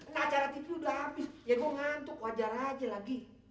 nah acara tidur udah habis ya gua ngantuk wajar aja lagi